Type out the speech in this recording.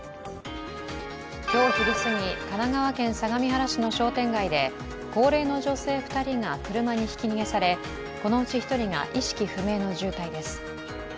今日昼過ぎ、神奈川県相模原市の商店街で高齢の女性２人が車にひき逃げされ、このうち１人が意識不明の重体です。